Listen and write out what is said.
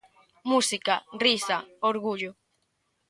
Música, risa, orgullo.